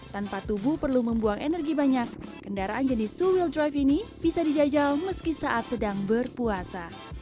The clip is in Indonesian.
tanpa tubuh perlu membuang energi banyak kendaraan jenis two wheel drive ini bisa dijajal meski saat sedang berpuasa